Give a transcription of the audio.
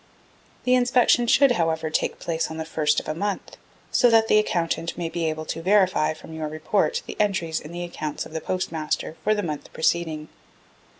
The inspection should, however, take place on the 1st of a month, so that the Accountant may be able to verify from your report the entries in the accounts of the Postmaster for the month preceding.